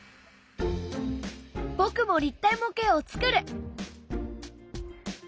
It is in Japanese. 僕も立体模型を作る！